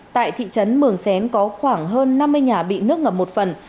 tại thị trấn mường xén có khoảng hơn năm mươi nhà bị nước ngập một phần